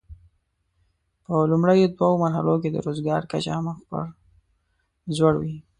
په لومړیو دوو مرحلو کې د روزګار کچه مخ پر ځوړ وي.